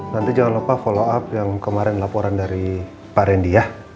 nanti jangan lupa follow up yang kemarin laporan dari pak rendy ya